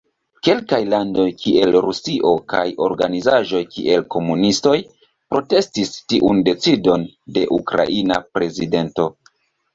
Kelkaj landoj, kiel Rusio, kaj organizaĵoj, kiel komunistoj, protestis tiun decidon de ukraina prezidento.